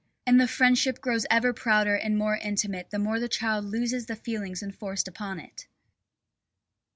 And the friendship grows ever prouder and more intimate the more the child loses the feelings enforced upon it.